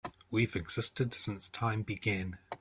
We've existed since time began.